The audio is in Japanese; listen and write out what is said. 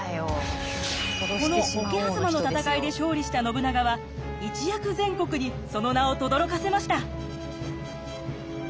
この桶狭間の戦いで勝利した信長は一躍全国にその名をとどろかせました。